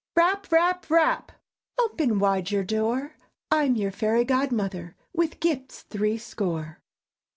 _ _Rap! Rap! Rap! "Open wide your door, I'm your Fairy Godmother, With gifts threescore!"